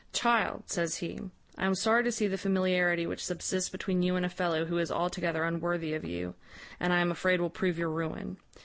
`Child,' says he, `I am sorry to see the familiarity which subsists between you and a fellow who is altogether unworthy of you, and I am afraid will prove your ruin.